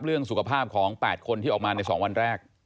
เรื่องสุขภาพของ๘คนที่ออกมาใน๒วันแรก